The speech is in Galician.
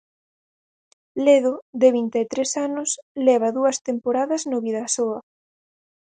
Ledo, de vinte e tres anos, leva dúas temporadas no Bidasoa.